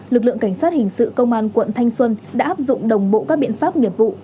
lực lượng cảnh sát hình sự công an quận thanh xuân đã áp dụng đồng bộ các biện pháp nghiệp vụ